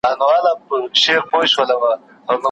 دوی پخوا لا د نویو بدلونونو له پاره چمتووالی نیولی و.